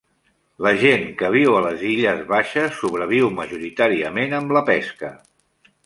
La gent que viu a les illes baixes sobreviu majoritàriament amb la pesca.